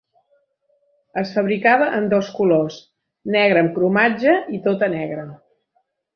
Es fabricava en dos colors: negra amb cromatge i tota negra.